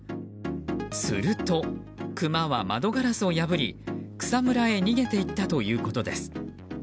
するとクマは窓ガラスを破り草むらへ逃げていったということです。